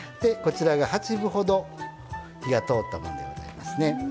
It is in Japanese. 八分ほど火が通ったものでございます。